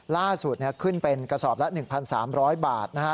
ล่าสุดเนี้ยขึ้นเป็นกระสอบละหนึ่งพันสามร้อยบาทนะฮะ